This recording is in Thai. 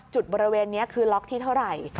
จุดบริเวณนี้คือล็อกที่เท่าไหร่